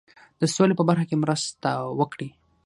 د سولي په برخه کې مرسته وکړي.